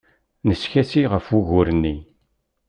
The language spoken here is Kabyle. Neskasi ɣef wugur-nni.